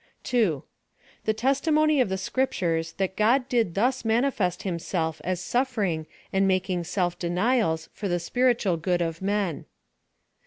2. The testimony of the scriptures thai god did thus manifest himself as suffering and making self denials for the spirit ual ^.ood of men.